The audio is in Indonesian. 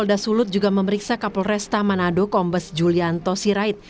polda sulut juga memeriksa kapolresta manado kombes julianto sirait